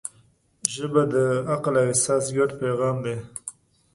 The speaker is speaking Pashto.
ژبه د عقل او احساس ګډ پیغام دی